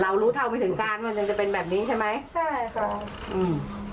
เรารู้เท่าไม่ถึงการมันจนจะเป็นแบบนี้ใช่ไหม